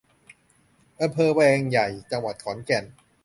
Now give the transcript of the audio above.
อำเภอแวงใหญ่ จังหวัดขอนแก่น